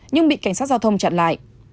nhưng bị cảnh sát giao thông chặn lại